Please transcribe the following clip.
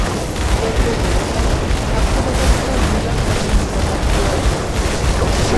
কেউ কেউ বলেছেন, সাক্ষ্যদাতা ছিল মহিলার স্বামীর নিকটআত্মীয় একজন পুরুষ।